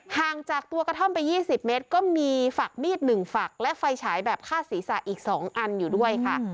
ห่างจากตัวกระท่อมไป๒๐เมตรก็มีฝักมีด๑ฝักและไฟฉายแบบฆ่าศีรษะอีก๒อันอยู่ด้วยค่ะ